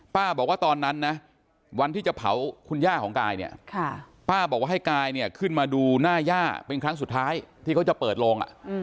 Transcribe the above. บอกว่าตอนนั้นนะวันที่จะเผาคุณย่าของกายเนี่ยป้าบอกว่าให้กายเนี่ยขึ้นมาดูหน้าย่าเป็นครั้งสุดท้ายที่เขาจะเปิดโลง